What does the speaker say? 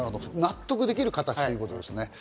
納得できる形ということですね。